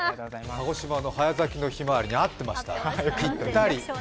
鹿児島の早咲きのひまわりにあっていました、ぴったり。